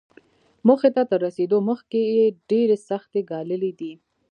موخې ته تر رسېدو مخکې يې ډېرې سختۍ ګاللې دي.